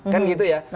kan gitu ya